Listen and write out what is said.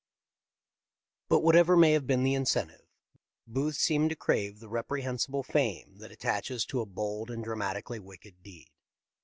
But whatever may have been the incentive. Booth seemed to crave the reprehensible fame that attaches to a bold and dramatically wicked deed.